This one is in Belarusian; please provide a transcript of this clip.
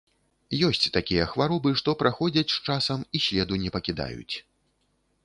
Ёсць такія хваробы, што праходзяць з часам і следу не пакідаюць.